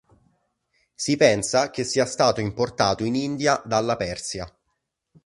Si pensa che sia stato importato in India dalla Persia.